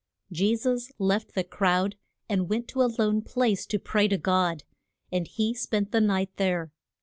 JE SUS left the crowd, and went to a lone place to pray to God. And he spent the night there.